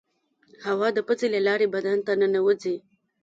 هوا د پزې له لارې بدن ته ننوزي.